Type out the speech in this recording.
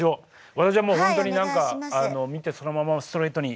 私はもうほんとに何か見てそのままをストレートに。